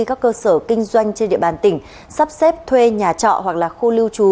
các cơ sở kinh doanh trên địa bàn tỉnh sắp xếp thuê nhà trọ hoặc là khu lưu trú